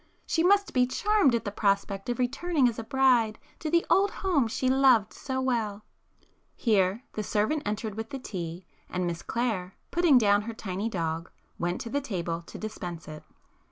She must be charmed at the prospect of returning as a bride to the old home she loved so well." Here the servant entered with the tea, and Miss Clare, [p 227] putting down her tiny dog, went to the table to dispense it.